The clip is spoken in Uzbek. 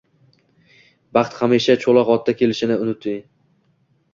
Baxt hamisha cho`loq otda kelishini unutding